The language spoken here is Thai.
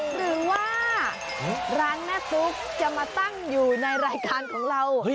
หรือว่าร้านแม่ตุ๊กจะมาตั้งอยู่ในรายการของเรา